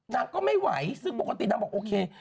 นางก็ไม่ไหวซึ่งปกตินางบอกโอเค